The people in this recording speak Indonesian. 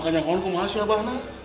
kan di motor mungkin bener